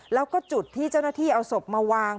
แล้วก็จุดที่เจ้าหน้าที่เอาศพมาวาง